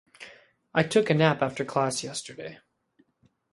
I took a nap after class yesterday.